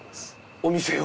お店を。